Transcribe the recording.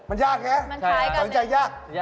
มันยากแหร่ตัวเองมันต้องจ่ายยาก